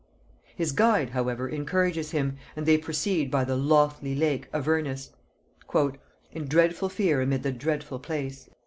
His guide however encourages him, and they proceed by the "lothly lake" Avernus, "In dreadful fear amid the dreadful place."